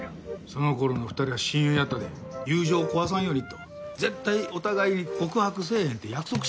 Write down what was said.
その頃の２人は親友やったで友情を壊さんようにと絶対お互い告白せえへんって約束しはったんやって。